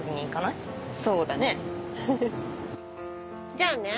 じゃあね。